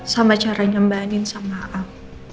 sama cara nyembahin sama am